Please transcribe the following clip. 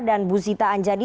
dan bu zita anjadi